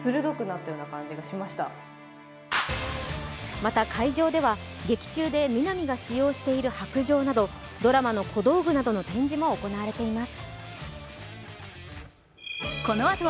また、会場では劇中で皆実が使用している白杖などドラマの小道具などの展示も行われています。